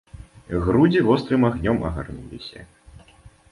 Грудзі вострым агнём агарнуліся.